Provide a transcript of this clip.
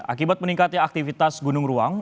akibat meningkatnya aktivitas gunung ruang